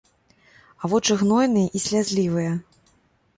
А вочы гнойныя і слязлівыя.